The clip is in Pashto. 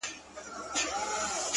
خو اوس دي گراني دا درسونه سخت كړل ـ